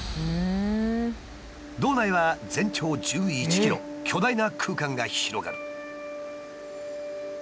洞内は全長１１ｋｍ巨大な空間が広がる。